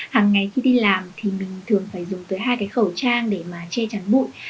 hàng ngày khi đi làm thì mình thường phải dùng tới hai cái khẩu trang để mà che chắn bụi